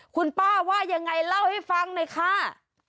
คุณป้าว่ายังไงเล่าให้ฟังหน่อยค่ะ